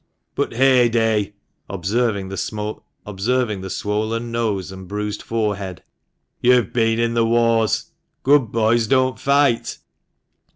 " But, hey day " (observing the swollen nose and bruised forehead), " You've been in the wars. Good boys don't fight."